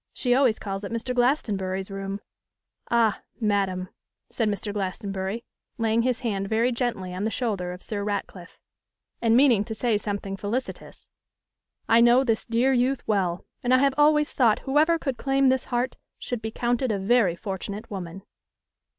She always calls it Mr. Glastonbury's room.' 'Ah! madam,' said Mr. Glastonbury, laying his hand very gently on the shoulder of Sir Ratcliffe, and meaning to say something felicitous, 'I know this dear youth well; and I have always thought whoever could claim this heart should be counted a very fortunate woman.